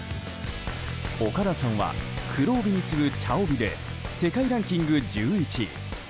岡田さんは黒帯に次ぐ茶帯で世界ランキング１１位。